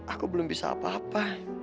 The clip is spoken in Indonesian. aku belum bisa apa apa